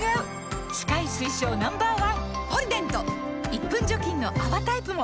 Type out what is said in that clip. １分除菌の泡タイプも！